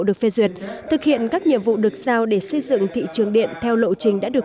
được phê duyệt thực hiện các nhiệm vụ được giao để xây dựng thị trường điện theo lộ trình đã được